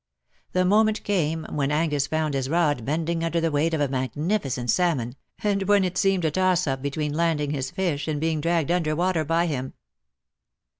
The moment came when Angus found his rod bending under the weight of a magnificent salmon, and when it seemed a toss up between landing his fish and being dragged under water by him.